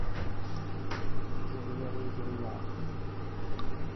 佢都提左你啦！仲唔醒水